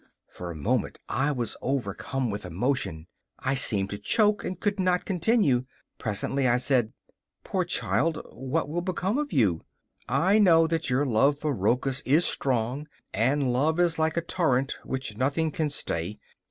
For a moment I was overcome with emotion; I seemed to choke, and could not continue. Presently I said: 'Poor child, what will become of you? I know that your love for Rochus is strong and, love is like a torrent which nothing can stay.